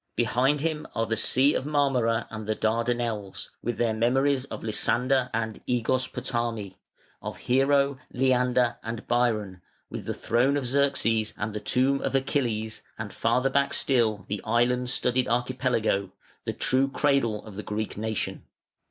Behind him are the Sea of Marmora and the Dardanelles, with their memories of Lysander and Ægospotami, of Hero, Leander, and Byron, with the throne of Xerxes and the tomb of Achilles, and farther back still the island studded Archipelago, the true cradle of the Greek nation.